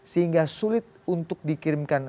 sehingga sulit untuk dikirimkan